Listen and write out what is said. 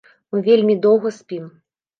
Мы вельмі доўга спім.